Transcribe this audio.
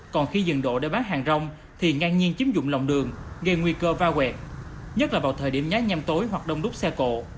còn khi dừng độ để bán hàng rong thì ngang nhiên chiếm dụng lòng đường gây nguy cơ va quẹt nhất là vào thời điểm nhái nhăm tối hoặc đông đúc xe cổ